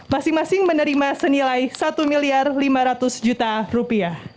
masing masing menerima senilai rp satu lima ratus